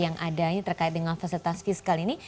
yang adanya terkait dengan fasilitas fiskal ini